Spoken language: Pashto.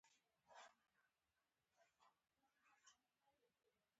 پیاله د مینې خوږ آواز لري.